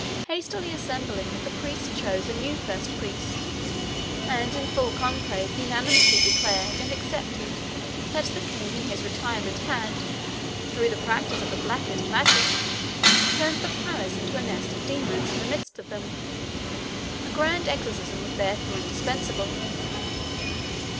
Hastily assembling, the priests chose a new first priest, and in full conclave unanimously declared and accepted that the king in his retirement had, through the practice of the blackest magic, turned the palace into a nest of demons in the midst of them. A grand exorcism was therefore indispensable.